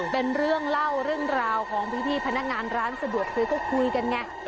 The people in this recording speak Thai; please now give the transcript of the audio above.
เป็นเรื่องเล่าเรื่องราวของพี่พนักงานร้านสะดวกซื้อก็คุยกันไง